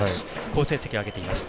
好成績を挙げています。